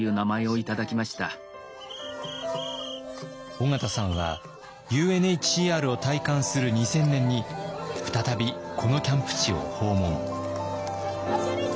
緒方さんはＵＮＨＣＲを退官する２０００年に再びこのキャンプ地を訪問。